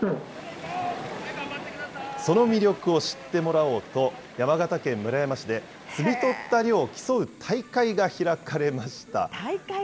その魅力を知ってもらおうと、山形県村山市で、摘み取った量を競う大会が開かれました。